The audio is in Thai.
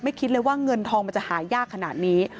คิดเลยว่าเงินทองมันจะหายากขนาดนี้